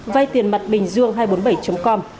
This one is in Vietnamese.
vay tiền mặt bình dương hai trăm bốn mươi bảy com